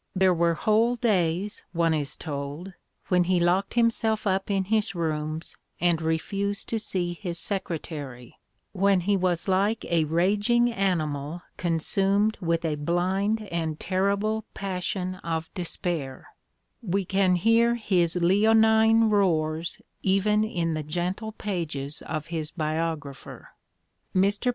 There were whole days, one is told, when he locked himself up in his rooms and refused to see his secretary, when he was like a raging animal con sumed with a blind and terrible passion of despair: we can hear his leonine roars even in the gentle pages of his biographer. Mr.